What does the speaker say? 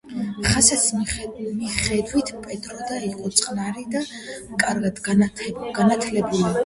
ხასიათის მიხედვით პედრო იყო წყნარი და კარგად განათლებული.